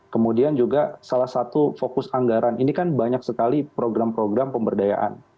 kemudian juga salah satu fokus anggaran ini kan banyak sekali program program pemberdayaan